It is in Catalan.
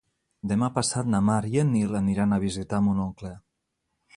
Demà passat na Mar i en Nil aniran a visitar mon oncle.